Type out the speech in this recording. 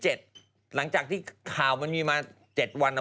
หลังจากที่ข่าวมันมีมา๗วัน